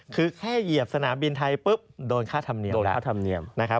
คือแค่เหยียบสนามบินไทยปุ๊บโดนค่าธรรมเนียมแล้ว